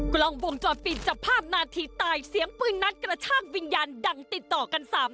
กล้องวงจรปิดจับภาพนาทีตายเสียงปืนนัดกระชากวิญญาณดังติดต่อกัน๓คน